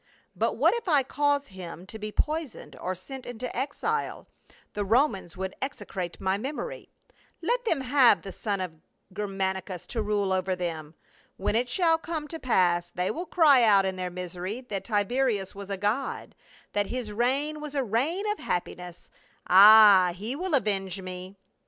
But what if I cause him to be poisoned or sent into exile, the Romans would exe crate my memory. Let them have the son of Ger manicus to rule over them. When it shall come to pass they will cry out in their misery that Tiberius was a god, that his reign was a reign of happiness. Ay — he will avenge me."